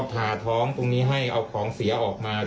ทาท้องตรงนี้ให้เอาของเสียออกมา